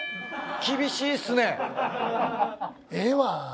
厳しいっすね。